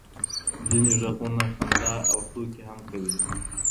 ځینې غږونه خندا او ټوکې هم کوي.